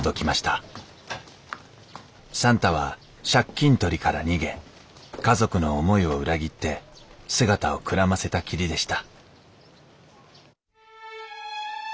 算太は借金取りから逃げ家族の思いを裏切って姿をくらませたきりでした